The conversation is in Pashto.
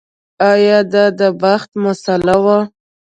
ایا دا د بخت مسئله وه.